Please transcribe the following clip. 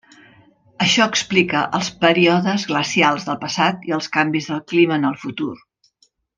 Això explica els períodes glacials del passat i els canvis del clima en el futur.